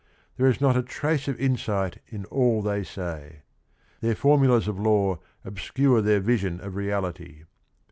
There is~not a trace of insight in all they say. Their formulas of law obscure their vision of reality.